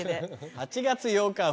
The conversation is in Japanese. ８月８日は。